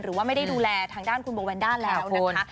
หรือว่าไม่ได้ดูแลทางด้านคุณโบแวนด้าแล้วนะคะ